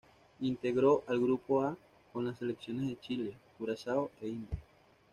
Integró el grupo A con las selecciones de Chile, Curazao e India.